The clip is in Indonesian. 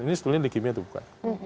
ini sebenarnya likimia itu bukan